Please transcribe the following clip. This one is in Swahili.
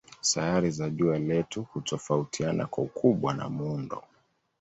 Sayari za jua letu hutofautiana kwa ukubwa na muundo.